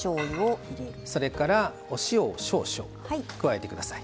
それからお塩を少々加えてください。